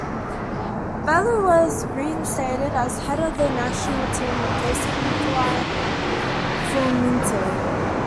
Bellu was reinstated as head of the national team, replacing Nicolae Forminte.